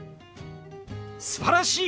すばらしい！